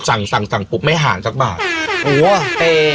สั่งสั่งสั่งปุ๊บไม่หารจักบาทโอ้โหเปรย์